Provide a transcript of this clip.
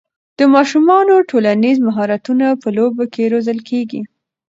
د ماشومانو ټولنیز مهارتونه په لوبو کې روزل کېږي.